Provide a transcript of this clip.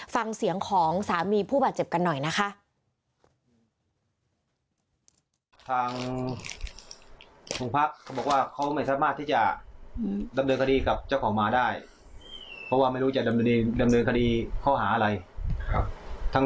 ฟังเสียงของสามีผู้บาดเจ็บกันหน่อยนะคะ